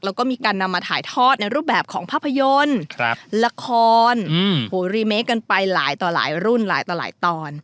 แล้วก็มีการนำมาถ่ายทอดในรูปแบบของภาพยนตร์ละครรีเมคกันไปหลายต่อหลายรุ่นหลายต่อหลายตอน